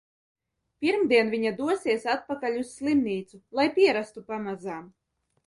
Pirmdien viņa dosies atpakaļ uz slimnīcu, lai pierastu pamazām!